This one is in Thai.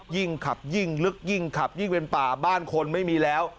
ยิ่งขับยิ่งลึกยิ่งขับยิ่งเป็นป่าบ้านคนไม่มีแล้ว